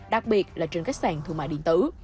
đặc biệt là trên các sàn thương mại điện tử